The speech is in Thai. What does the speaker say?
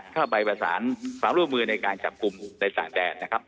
เข้าไปประสานความร่วมมือในการจับกลุ่มในต่างแดนนะครับ